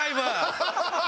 ハハハハ！